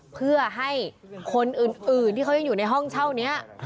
เพื่อให้คนอื่นที่เขายังอยู่ในห้องเช่านี้